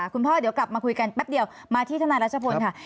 คุณพ่อเดี๋ยวกลับมาคุยกันแป๊บเดียวมาที่ทนายรัชพลค่ะ